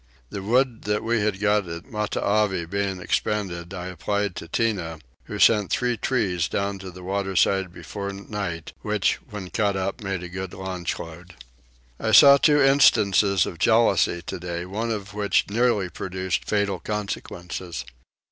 The wood that we had got at Matavai being expended I applied to Tinah, who sent three trees down to the waterside before night, which when cut up made a good launch load. I saw two instances of jealousy today one of which had nearly produced fatal consequences.